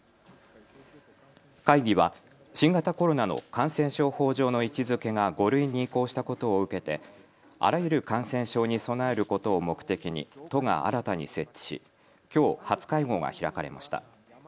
会議は新型コロナの感染症法上の位置づけが５類に移行したことを受けてあらゆる感染症に備えることを目的に都が新たに設置しきょう初会合が開かれました。